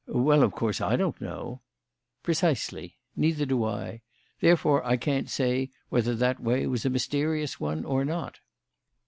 "Well, of course, I don't know." "Precisely. Neither do I. Therefore I can't say whether that way was a mysterious one or not."